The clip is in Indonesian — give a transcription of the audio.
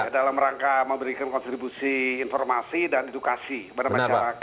dalam rangka memberikan kontribusi informasi dan edukasi kepada masyarakat